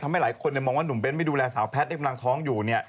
หลายคนมองว่าหนุ่มเบ้นไม่ดูแลสาวแพทย์ที่กำลังท้องอยู่เนี่ย